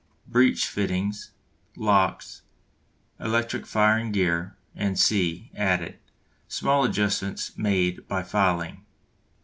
Breech fittings, locks, electric firing gear, &c., added. Small adjustments made by filing.